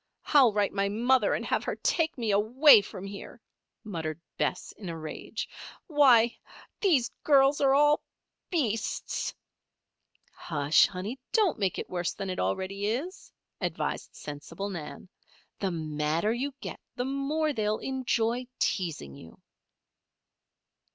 I'll write my mother and have her take me away from here," muttered Bess, in a rage. "Why, these girls are all beasts!" "Hush, honey! don't make it worse than it already is," advised sensible Nan. "The madder you get the more they will enjoy teasing you."